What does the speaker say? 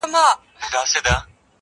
ما ویل زه به ستا د شپې په زړه کي؛